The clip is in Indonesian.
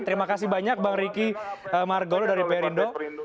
terima kasih banyak bang ricky margolo dari pr indo